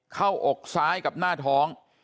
อกซ้ายกับหน้าท้อง